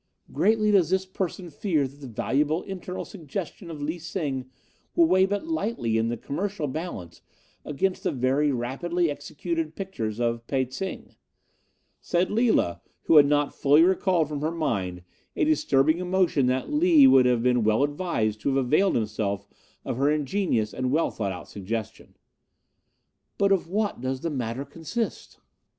"'Greatly does this person fear that the valuable internal suggestion of Lee Sing will weigh but lightly in the commercial balance against the very rapidly executed pictures of Pe tsing,' said Lila, who had not fully recalled from her mind a disturbing emotion that Lee would have been well advised to have availed himself of her ingenious and well thought out suggestion. 'But of what does the matter consist?